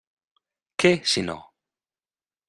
Què, si no?